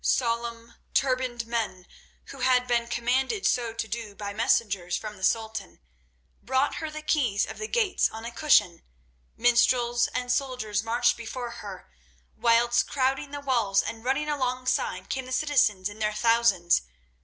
Solemn, turbaned men, who had been commanded so to do by messengers from the Sultan, brought her the keys of the gates on a cushion, minstrels and soldiers marched before her, whilst crowding the walls and running alongside came the citizens in their thousands.